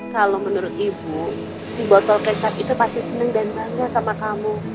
kalau menurut ibu si botol kecap itu pasti senang dan bangga sama kamu